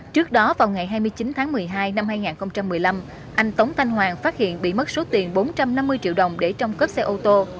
trước đó vào ngày hai mươi chín tháng một mươi hai năm hai nghìn một mươi năm anh tống thanh hoàng phát hiện bị mất số tiền bốn trăm năm mươi triệu đồng để trong cướp xe ô tô